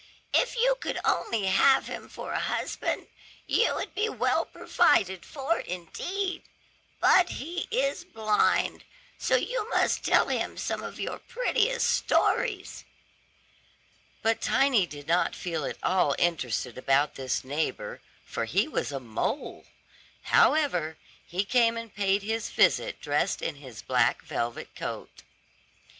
If you could only have him for a husband, you would be well provided for indeed. But he is blind, so you must tell him some of your prettiest stories." But Tiny did not feel at all interested about this neighbor, for he was a mole. However, he came and paid his visit dressed in his black velvet coat.